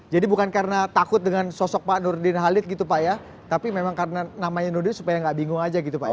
jadi bukan karena takut dengan sosok pak nurdin halid gitu pak ya tapi memang karena namanya nurdin supaya nggak bingung aja gitu pak ya